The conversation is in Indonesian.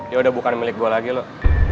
yaudah bukan milik gue lagi loh